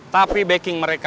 tapi backing mereka